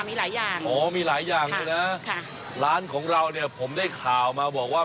มีหลายอย่างอ๋อมีหลายอย่างเลยนะค่ะร้านของเราเนี่ยผมได้ข่าวมาบอกว่า